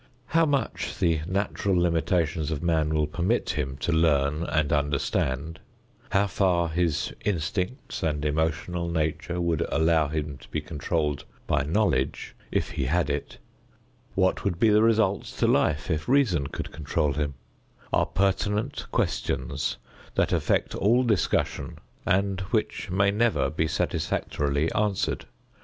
How much the natural limitations of man will permit him to learn and understand; how far his instincts and emotional nature would allow him to be controlled by knowledge, if he had it; what would be the results to life if reason could control him, are pertinent questions that affect all discussion and which may never be satisfactorily answered.